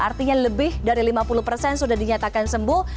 artinya lebih dari lima puluh persen sudah dinyatakan sembuh